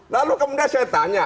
lalu kemudian saya tanya